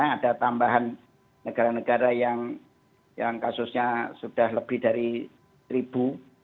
ada tambahan negara negara yang kasusnya sudah lebih dari seribu